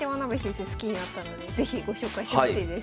好きになったので是非ご紹介してほしいです。